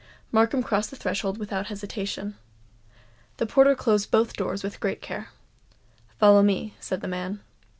Markham crossed the threshold without hesitation. The porter closed both doors with great care. "Follow me," said the man.